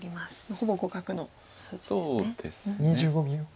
２５秒。